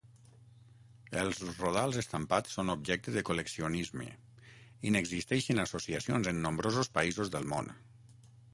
Els rodals estampats són objecte de col·leccionisme, i n'existeixen associacions en nombrosos països del món.